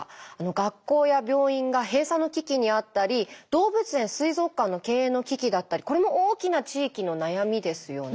学校や病院が閉鎖の危機にあったり動物園水族館の経営の危機だったりこれも大きな地域の悩みですよね。